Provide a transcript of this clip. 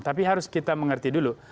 tapi harus kita mengerti dulu